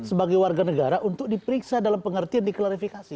sebagai warga negara untuk diperiksa dalam pengertian diklarifikasi